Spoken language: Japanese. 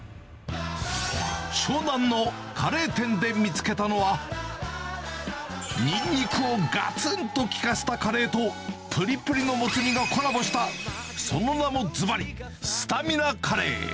湘南のカレー店で見つけたのは、ニンニクをがつんと効かせたカレーと、ぷりぷりのもつ煮がコラボした、その名もずばり、スタミナカレー。